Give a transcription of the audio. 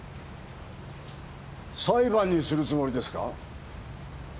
裁判にするつもりですか？